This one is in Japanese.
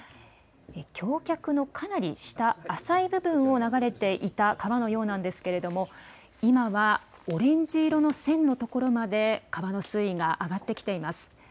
橋脚のかなり下、浅い部分を流れていた川のようなんですけれども、今はオレンジ色の線の所まで、川の水位が上がってきています。